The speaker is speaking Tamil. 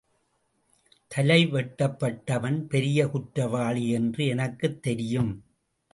தலை வெட்டப் பட்டவன் பெரிய குற்றவாளி என்று எனக்குத் தெரியும்.